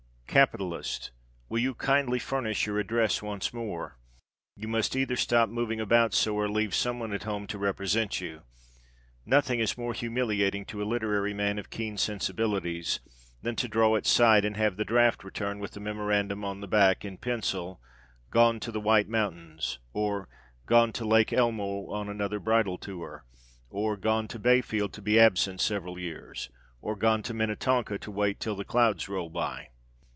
Capitalist Will you kindly furnish your address once more? You must either stop moving about so or leave some one at home to represent you. Nothing is more humiliating to a literary man of keen sensibilities than to draw at sight and have the draft returned with the memorandum on the back in pencil "Gone to the White mountains," or "Gone to Lake Elmo on another bridal tour," or "Gone to Bayfield to be absent several years," or "Gone to Minnetonka to wait till the clouds roll by."